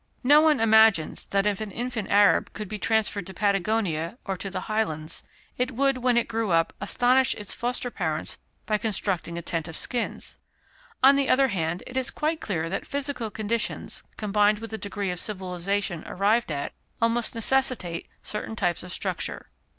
No one imagines that if an infant Arab could be transferred to Patagonia, or to the Highlands, it would, when it grew up, astonish its foster parents by constructing a tent of skins. On the other hand, it is quite clear that physical conditions, combined with the degree of civilization arrived at, almost necessitate certain types of structure.